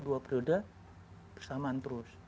dua periode bersamaan terus